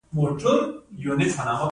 د تورخم بندر ولې تل بیروبار وي؟